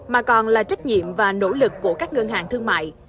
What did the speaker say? mà còn là trách nhiệm và nỗ lực của các ngân hàng thương mại